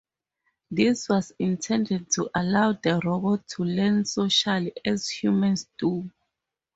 This was intended to allow the robot to learn socially, as humans do.